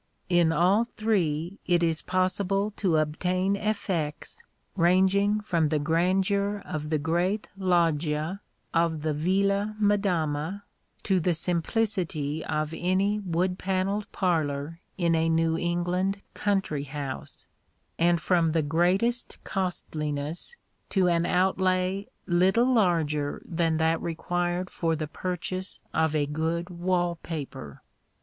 In all three it is possible to obtain effects ranging from the grandeur of the great loggia of the Villa Madama to the simplicity of any wood panelled parlor in a New England country house, and from the greatest costliness to an outlay little larger than that required for the purchase of a good wall paper.